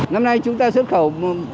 năm nay chúng ta xuất khẩu